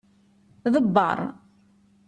Ḍebbeṛ.